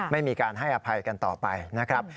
ไม่มีการให้อภัยกันต่อไปนะครับ